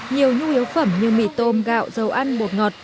nhiều nhu yếu phẩm như mì tôm gạo dầu ăn bột ngọt